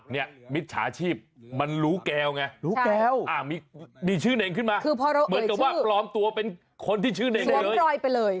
นี่มิตรสาชีพมันรู้แกวไงนี่ชื่อเน่งขึ้นมาเหมือนกับว่าปลอมตัวเป็นคนที่ชื่อเน่งได้เลย